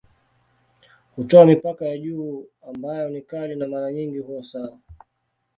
Hutoa mipaka ya juu ambayo ni kali na mara nyingi huwa sawa.